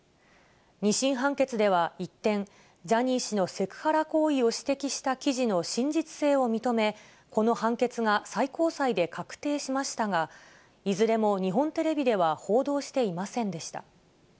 ２審判決では一転、ジャニー氏のセクハラ行為を指摘した記事の真実性を認め、この判決が最高裁で確定しましたが、いずれも日本テレビでは報道していませんでした。